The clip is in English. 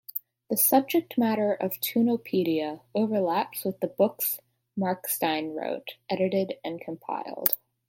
The subject matter of Toonopedia overlaps with the books Markstein wrote, edited and compiled.